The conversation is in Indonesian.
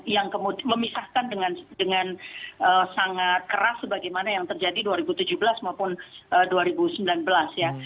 yang kemudian memisahkan dengan sangat keras sebagaimana yang terjadi dua ribu tujuh belas maupun dua ribu sembilan belas ya